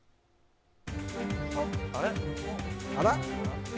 あら？